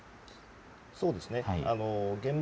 そうですね。